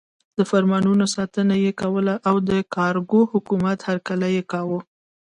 د فرمانونو ستاینه یې کوله او د کارګرو حکومت هرکلی یې کاوه.